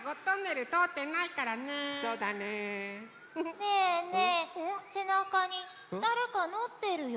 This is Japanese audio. ねえねえせなかにだれかのってるよ。